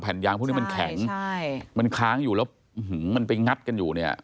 แผ่นยางพวกนี้มันแข็งมันค้างอยู่แล้วมันไปงัดกันอยู่